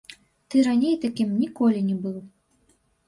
Ты раней такім ніколі не быў.